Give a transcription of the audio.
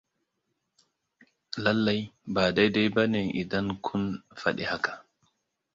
Lallai ba daidai ba ne idan kun faɗi haka.